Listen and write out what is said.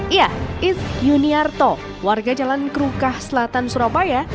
iya is juniarto warga jalan kerukah selatan surabaya